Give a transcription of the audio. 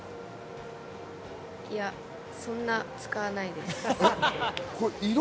そんな使わないです。